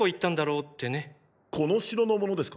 この城の者ですか？